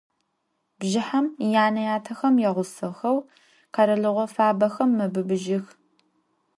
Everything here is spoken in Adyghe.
Bjjıhem yane - yatexem yağusexeu kheralığo fabexem mebıbıjıx.